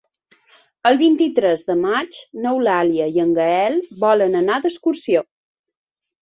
El vint-i-tres de maig n'Eulàlia i en Gaël volen anar d'excursió.